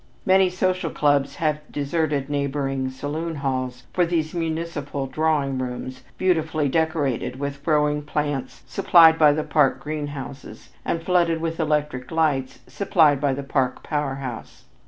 Many social clubs have deserted neighboring saloon halls for these municipal drawing rooms beautifully decorated with growing plants supplied by the park greenhouses, and flooded with electric lights supplied by the park power house.